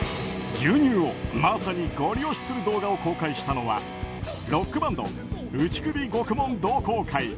牛乳をまさにゴリ押しする動画を公開したのはロックバンド打首獄門同好会。